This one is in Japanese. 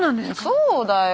そうだよ。